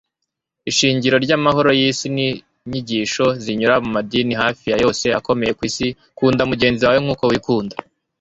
ishingiro ryamahoro yisi ninyigisho zinyura mumadini hafi ya yose akomeye kwisi kunda mugenzi wawe nk'uko wikunda